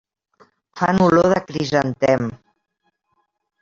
Fan olor de crisantem.